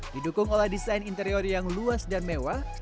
didukung oleh desain interior yang luas dan mewah